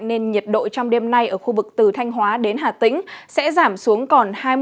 nên nhiệt độ trong đêm nay ở khu vực từ thanh hóa đến hà tĩnh sẽ giảm xuống còn hai mươi